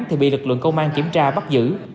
thì bị lực lượng công an kiểm tra bắt giữ